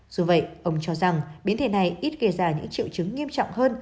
dù vậy ông cho rằng biến thể này ít gây ra những triệu chứng nghiêm trọng hơn